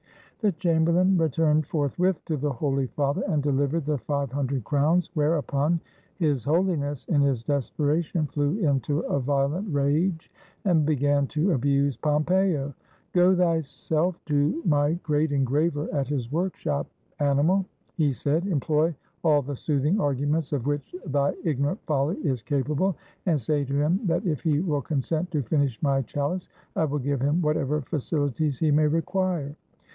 The chamberlain returned forthwith to the Holy Father, and delivered the five hundred crowns, where upon His Holiness, in his desperation, flew into a violent rage, and began to abuse Pompeo. "Go thyself to my great engraver at his workshop, animal," he said, "employ all the soothing arguments of which thy ignorant folly is capable, and say to him 68 BENVENUTO CELLINI that if he will consent to finish my chalice, I will give him whatever facihties he may require."